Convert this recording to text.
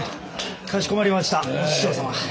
かしこまりましたお師匠様。